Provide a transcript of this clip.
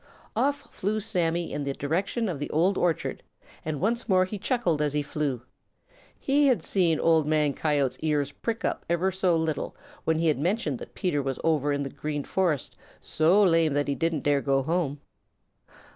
Off flew Sammy in the direction of the Old Orchard, and once more he chuckled as he flew. He had seen Old Man Coyote's ears prick up ever so little when he had mentioned that Peter was over in the Green Forest so lame that he didn't dare go home.